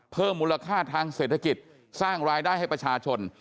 เพิ่มมูลค่าทางเศรษฐกิจสร้างรายได้ให้ประชาชน